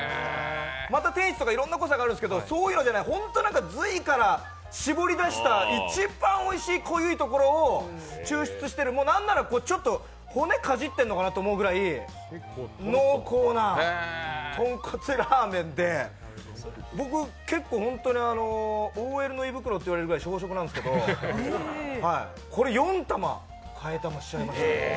また天一とかいろんな濃さがあるんですけどそういうのじゃない、髄からしぼり出した一番おいしい濃ゆいところを抽出してる、何ならちょっと骨かじってるのかなと思うぐらい濃厚なとんこつラーメンで僕、結構ホントにＯＬの胃袋っていわれるぐらいに、小食なんですけどこれ、４玉、替え玉しちゃいました。